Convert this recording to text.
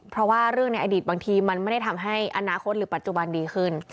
เพราะว่าเรื่องในอดีตบางทีมันไม่ได้ทำให้อนาคตหรือปัจจุบันดีขึ้น